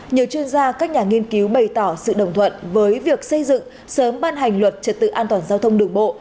nhiều chuyên gia các nhà nghiên cứu bày tỏ sự đồng thuận với việc xây dựng sớm ban hành luật trật tự an toàn giao thông đường bộ